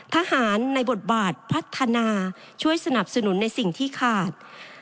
ทหารในบทบาทพัฒนาช่วยสนับสนุนในสิ่งที่ขาด